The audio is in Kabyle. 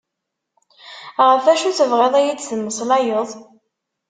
Ɣef acu tebɣiḍ ad yi-d-temmeslayeḍ?